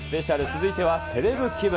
続いてはセレブ気分！